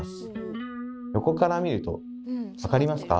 横から見ると分かりますか？